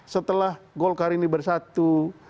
setelah golkar ini bersatu